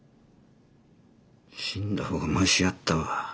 死んだ方がましやったわ。